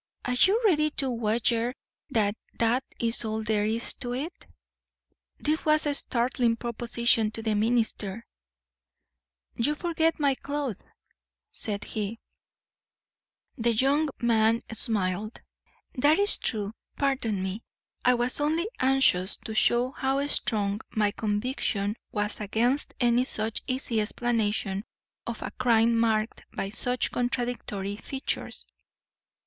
"Are you ready to wager that that is all there is to it?" This was a startling proposition to the minister. "You forget my cloth," said he. The young man smiled. "That is true. Pardon me. I was only anxious to show how strong my conviction was against any such easy explanation of a crime marked by such contradictory features."